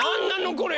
これ。